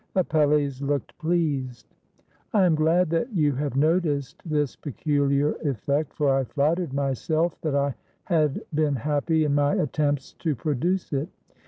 Apelles looked pleased. "I am glad that you have noticed this peculiar effect, for I flattered myself that I had been happy in my attempts to produce it.